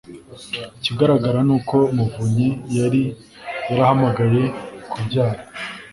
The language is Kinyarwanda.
Ikigaragara ni uko Muvunyi yari yarahamagaye kubyara